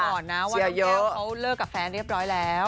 ต้องบอกนะว่าน้องแก้วเขาเลิกกับแฟนเรียบร้อยแล้ว